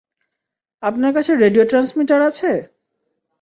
আপনার কাছে radio transmitter আছে?